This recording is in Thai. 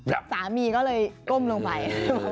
แล้วสามีเลยก้มลงไป